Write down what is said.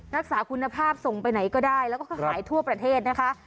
รักษาคุณภาพส่งไปไหนก็ได้แล้วก็หายทั่วประเทศนะคะ